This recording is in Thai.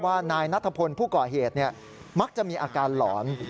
นายนัทพลผู้ก่อเหตุมักจะมีอาการหลอน